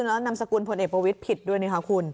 แล้วนามสกุลพลเอกประวิทย์ผิดด้วยนะคะคุณ